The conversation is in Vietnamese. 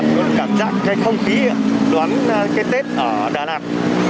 tôi cảm giác cái không khí đoán cái tết ở đà lạt